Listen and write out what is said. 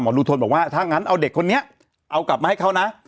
ลุงทนบอกว่าถ้างั้นเอาเด็กคนนี้เอากลับมาให้เขานะ